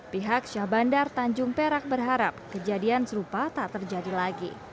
pihak syah bandar tanjung perak berharap kejadian serupa tak terjadi lagi